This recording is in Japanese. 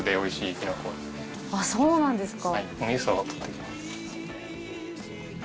そうなんですか。